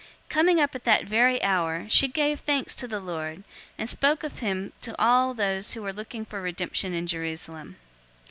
002:038 Coming up at that very hour, she gave thanks to the Lord, and spoke of him to all those who were looking for redemption in Jerusalem.